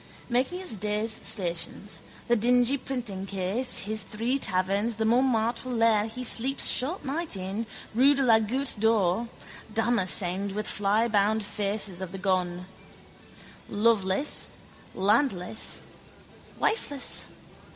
Making his day's stations, the dingy printingcase, his three taverns, the Montmartre lair he sleeps short night in, rue de la Goutte d'Or, damascened with flyblown faces of the gone. Loveless, landless, wifeless.